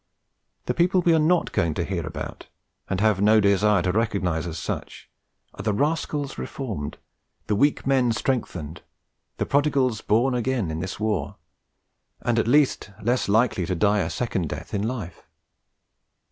The people we are not going to hear about, and have no desire to recognise as such, are the rascals reformed, the weak men strengthened, the prodigals born again in this war, and at least less likely to die a second death in life.